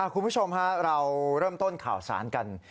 คุณผู้ชมเราเริ่มต้นข่าวสารกัน